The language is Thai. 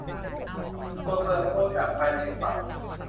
ถั่วเติบโตจากภายในฝัก